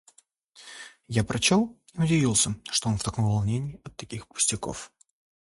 Я прочел и удивился, что он в таком волнении от таких пустяков.